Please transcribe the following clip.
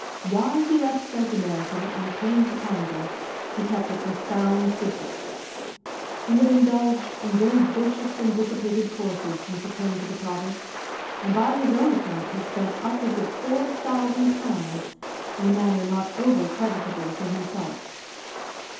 Why he left South America and came to Canada he kept a profound secret. He had indulged in very vicious and dissipated courses since he came to the province, and by his own account had spent upwards of four thousand pounds, in a manner not over creditable to himself.